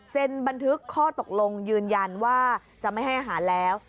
บันทึกข้อตกลงยืนยันว่าจะไม่ให้อาหารแล้ว